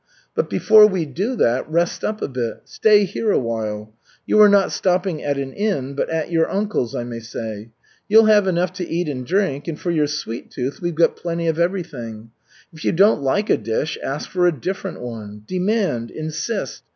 But before we do that, rest up a bit. Stay here a while. You are not stopping at an inn but at your uncle's, I may say. You'll have enough to eat and drink, and for your sweet tooth we've got plenty of everything. If you don't like a dish, ask for a different one. Demand, insist!